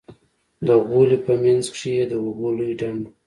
د غولي په منځ کښې يې د اوبو لوى ډنډ و.